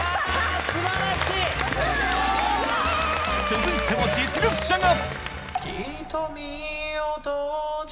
続いても実力者が